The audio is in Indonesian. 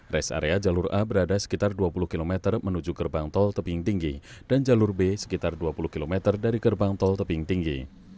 res area jalur a berada sekitar dua puluh km menuju gerbang tol tebing tinggi dan jalur b sekitar dua puluh km dari gerbang tol tebing tinggi